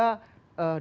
nah ada juga